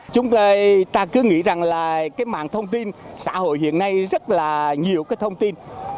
chúng ta cứ nghĩ rằng là cái mạng thông tin xã hội hiện nay rất là nhiều cái thông tin